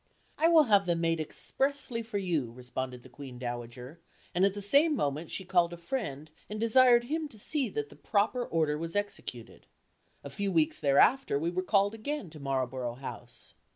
"I will have them made expressly for you," responded the Queen Dowager; and at the same moment she called a friend and desired him to see that the proper order was executed. A few weeks thereafter we were called again to Marlborough House.